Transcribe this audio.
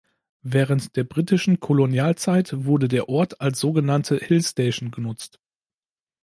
Während der Britischen Kolonialzeit wurde der Ort als sogenannte Hill Station genutzt.